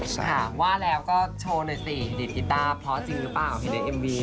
ค่ะว่าแล้วก็โชว์หน่อยสิ